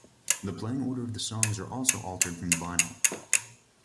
The playing order of the songs are also altered from the vinyl.